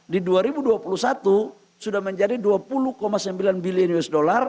di dua ribu dua puluh satu sudah menjadi dua puluh sembilan bilion usd